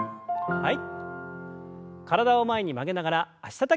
はい。